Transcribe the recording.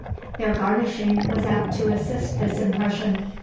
Their garnishing was apt to assist this impression.